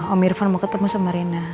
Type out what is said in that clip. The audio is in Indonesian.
om irvan mau ketemu sama reina